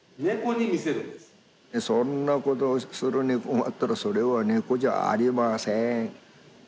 そんなことをするネコがあったらそれはネコじゃありません。